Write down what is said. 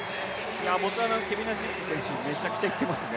ボツワナのケビナシッピ選手、めちゃくちゃいってますね。